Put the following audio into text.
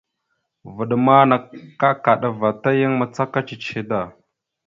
Vvaɗ ma nakaɗava ta yan macaka ciche da.